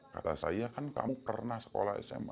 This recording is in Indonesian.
kata saya kan kamu pernah sekolah sma